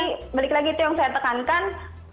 tapi balik lagi itu yang saya tekankan